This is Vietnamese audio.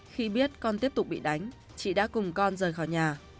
khi biết con tiếp tục bị đánh chị đã cùng con rời khỏi nhà